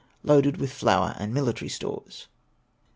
Loaded with flour and mili tary stores.